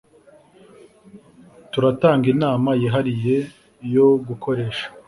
Turatanga inama yihariye yo gukoresha